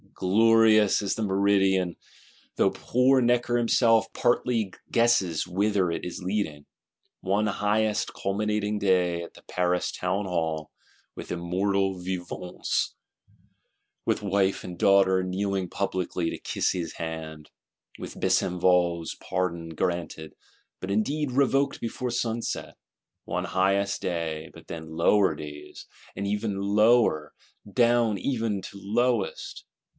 Glorious as the meridian; though poor Necker himself partly guesses whither it is leading. One highest culminating day, at the Paris Townhall; with immortal vivats, with wife and daughter kneeling publicly to kiss his hand; with Besenval's pardon granted,—but indeed revoked before sunset: one highest day, but then lower days, and ever lower, down even to lowest!